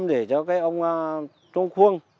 để cho cái ông trông khuâng